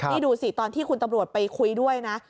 นี่ดูสิตอนที่คุณตำรวจไปคุยด้วยนะ